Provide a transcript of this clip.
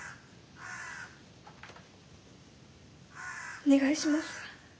お願いします。